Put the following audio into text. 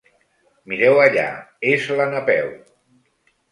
Mireu allà, és la Napeu!